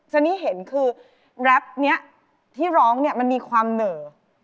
ซะนี่เห็นคือแรปนี้ที่ร้องมันมีความเหนอะ